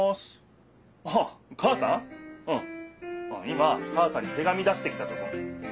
今母さんに手紙出してきたとこ。